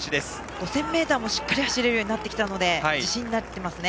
５０００ｍもしっかり走れるようになってきたので自信になっていますね。